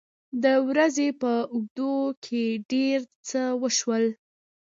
د ورځې په اوږدو کې ډېر څه وشول.